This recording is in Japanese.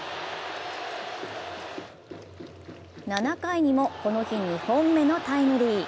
７回にもこの日２本目のタイムリー。